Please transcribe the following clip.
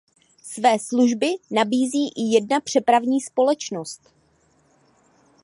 Své služby nabízí i jedna přepravní společnost.